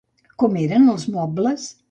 Com eren els mobles?